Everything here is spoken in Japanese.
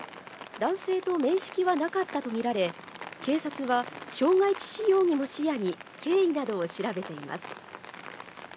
男性と面識はなかったと見られ、警察は傷害致死容疑も視野に経緯などを調べています。